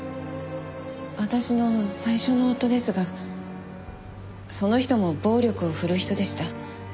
私の最初の夫ですがその人も暴力を振るう人でした。